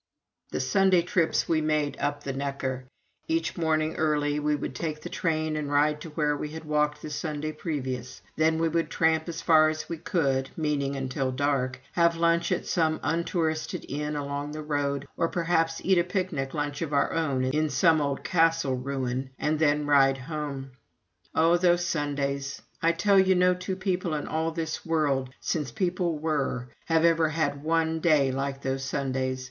The Sunday trips we made up the Neckar: each morning early we would take the train and ride to where we had walked the Sunday previous; then we would tramp as far as we could, meaning until dark, have lunch at some untouristed inn along the road, or perhaps eat a picnic lunch of our own in some old castle ruin, and then ride home. Oh, those Sundays! I tell you no two people in all this world, since people were, have ever had one day like those Sundays.